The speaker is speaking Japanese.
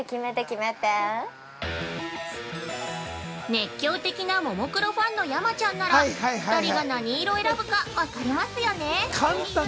◆熱狂的なももクロファンの山ちゃんなら２人が何色を選ぶか分かりますよね？